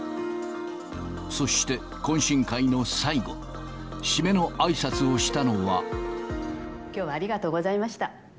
そして、懇親会の最後、きょうはありがとうございました。